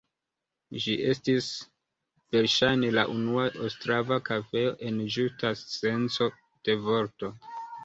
Ĝi estis verŝajne la unua ostrava kafejo en ĝusta senco de vorto.